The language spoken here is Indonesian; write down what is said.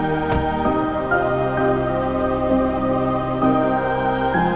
malam itu orang orang cintakanvisioner utaranya di malam sepanjang hari